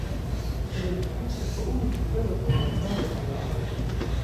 Tiam sufiĉas po unu cifero por la tago kaj la monato.